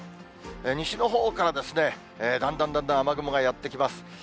西のほうから、だんだんだんだん雨雲がやって来ます。